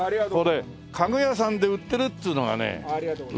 これ家具屋さんで売ってるっつうのがね嬉しいね。